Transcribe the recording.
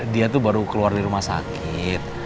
dia tuh baru keluar di rumah sakit